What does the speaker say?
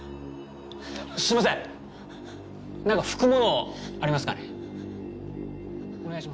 すいません何か拭くものありますかね？